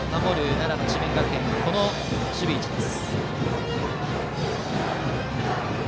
奈良の智弁学園はこの守備位置です。